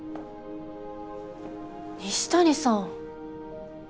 西谷さん。